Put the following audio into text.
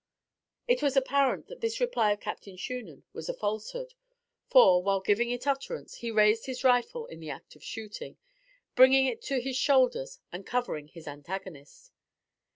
It was apparent that this reply of Captain Shunan was a falsehood; for, while giving it utterance, he raised his rifle in the act of shooting, bringing it to his shoulder and covering his antagonist.